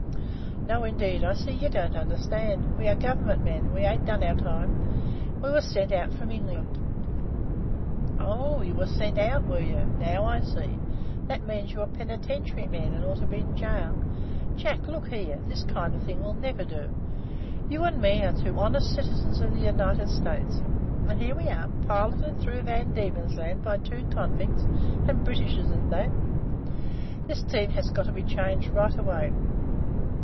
"'No, indeed. I see you don't understand. We are Government men, and we ain't done our time. We were sent out from England.' "'Oh! you were sent out, were you? Now, I see, that means you are penitentiary men, and ought to be in gaol. Jack, look here. This kind of thing will never do. You and me are two honest citizens of the United States, and here we are, piloted through Van Diemen's Land by two convicts, and Britishers at that. This team has got to be changed right away.'